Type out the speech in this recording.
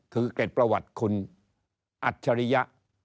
คือเกร็ดประวัติคุณอัจฉริยะ